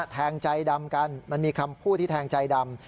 แทงใจดำกันมันมีคำพูดที่แทงใจดำ